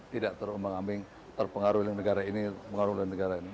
tidak terumbang ambing terpengaruhi oleh negara ini pengaruhi oleh negara ini